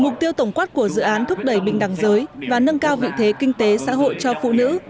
mục tiêu tổng quát của dự án thúc đẩy bình đẳng giới và nâng cao vị thế kinh tế xã hội cho phụ nữ